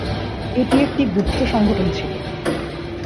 এটি একটি গুপ্ত সংগঠন ছিল।